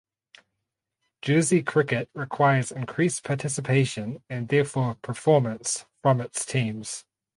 Jersey Cricket requires increased participation and therefore performance from its teams.